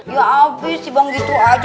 ya abis sih bang gitu aja